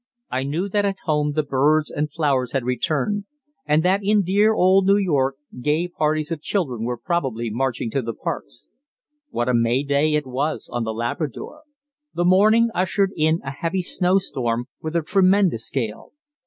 I knew that at home the birds and the flowers had returned, and that in dear old New York gay parties of children were probably marching to the parks. What a May Day it was on The Labrador! The morning ushered in a heavy snow storm, with a tremendous gale.